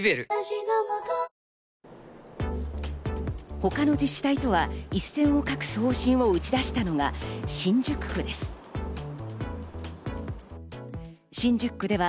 他の自治体とは一線を画す方針を打ち出したのが新宿区です。